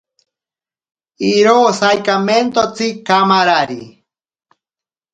Iro saikamentotsi kamarari.